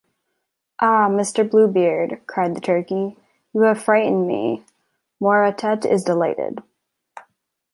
Ah, Mr. Blue Beard," cried the Turkey, "you have frightened me! Mouratet is delighted.